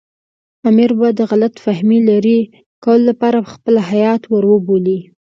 امیر به د غلط فهمۍ لرې کولو لپاره پخپله هیات ور وبولي.